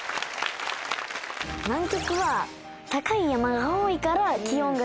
南極は高い山が多いから気温が低い。